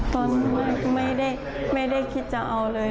ตอนนี้ไม่ได้คิดจะเอาเลย